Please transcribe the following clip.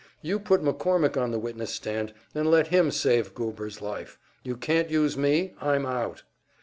You put McCormick on the witness stand and let him save Goober's life. You can't use me, I'm out!"